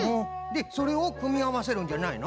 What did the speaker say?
でそれをくみあわせるんじゃないの？